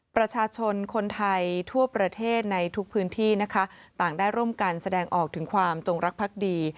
ประชาชนคนไทยทั่วประเทศในทุกพื้นที่นะคะต่างได้ร่วมกันแสดงออกถึงความจงรักพักดี